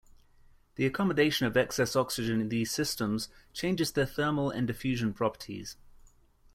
The accommodation of excess oxygen in these systems changes their thermal and diffusion properties.